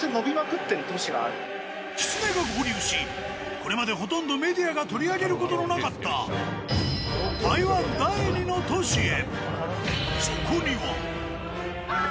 これまでほとんどメディアが取り上げることのなかった台湾第２の都市へ。